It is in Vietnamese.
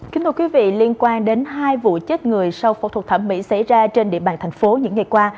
kính thưa quý vị liên quan đến hai vụ chết người sau phẫu thuật thẩm mỹ xảy ra trên địa bàn thành phố những ngày qua